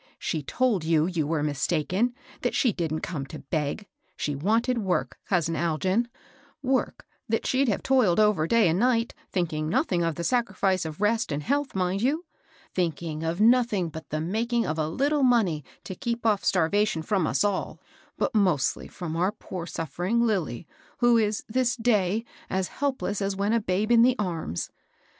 '* She told you you were mistaken, — that she didn't come to heg. She wanted work, cousin Algin, — work that she'd have toiled over day and night, thinking nothing of the sacrifice of rest and health, mind you !— thinking of nothing but the making of a little money to keep off starv ation from us all, but mostly from our poor, suf fering Lilly, who is, this day^ a^ WV^Vi^^ ^fi^ ^'^^s^ ^ 246 HABBL BOSS. . babe in the arms.